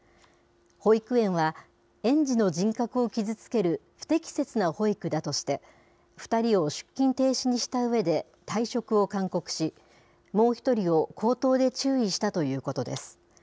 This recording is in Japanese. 保育園は、園児の人格を傷つける不適切な保育だとして、２人を出勤停止にしたうえで退職を勧告し、もう１人を口頭で注意したということです。